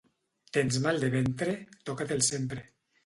Tens mal de ventre? Toca-te'l sempre.